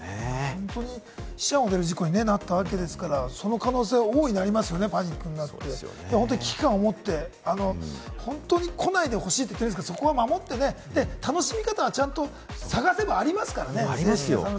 本当に死者が出る事故になったわけですから、その可能性が大いにありますよね、パニックになって、危機感を持って、本当に来ないでほしいということなんで、そこは守って楽しみ方は探せばありますからね。ありますよ。